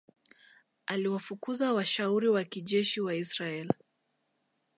Aliwafukuza washauri wa kijeshi wa Israel